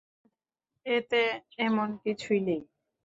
এতে এমন কিছুই নেই।